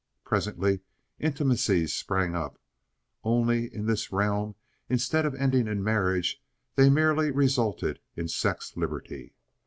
Presently intimacies sprang up, only in this realm, instead of ending in marriage, they merely resulted in sex liberty.